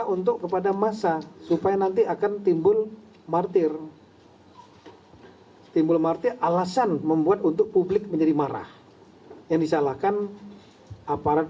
untuk selain kepada aparat